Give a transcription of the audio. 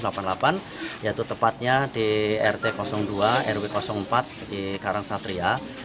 yaitu tepatnya di rt dua rw empat di karangsatria